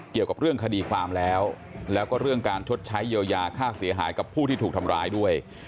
เกี่ยวกับเรื่องคดีความแล้วแล้วก็เรื่องการชดใช้เยียวยาค่าเสียหายกับผู้ที่ถูกทำร้ายด้วย